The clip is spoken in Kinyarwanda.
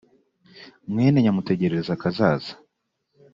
mwene nyamutegerakazaza